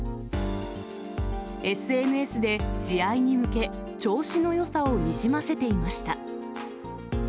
ＳＮＳで試合に向け、調子のよさをにじませていました。